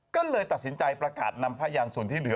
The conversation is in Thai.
ก็เลยตัดสินใจประกาศนำพยานส่วนที่เหลือ